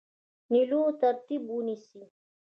نیولو ترتیب ونیسي.